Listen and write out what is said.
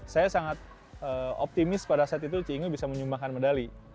saya sangat optimis pada saat itu cinge bisa menyumbangkan medali